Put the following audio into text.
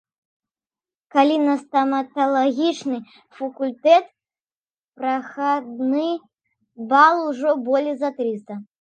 Калі на стаматалагічны факультэт прахадны бал ужо болей за трыста.